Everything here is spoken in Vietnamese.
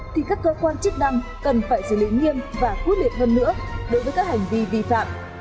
thì các cơ quan chức năng cần phải xử lý nghiêm và quyết liệt hơn nữa đối với các hành vi vi phạm